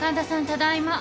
ただいま。